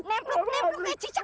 nempluk nempluk kayak cicak